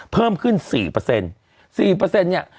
เพิ่มขึ้นสี่เปอร์เซ็นต์สี่เปอร์เซ็นต์เนี่ย